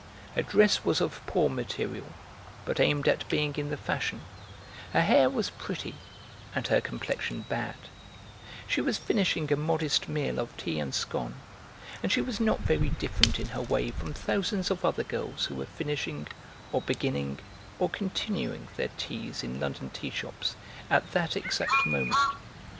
Her dress was of poor material, but aimed at being in the fashion, her hair was pretty, and her complexion bad; she was finishing a modest meal of tea and scone, and she was not very different in her way from thousands of other girls who were finishing, or beginning, or continuing their teas in London tea shops at that exact moment.